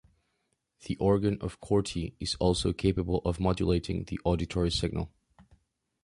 The organ of Corti is also capable of modulating the auditory signal.